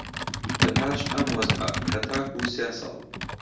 لەپاش ئەم وەزعە هەتاکوو سێ ساڵ